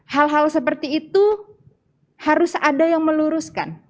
hal hal seperti itu harus ada yang meluruskan